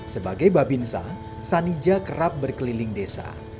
sebagai babinsa sanija kerap berkeliling desa